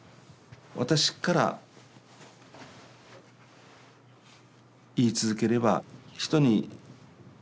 私から言い続ければ人に。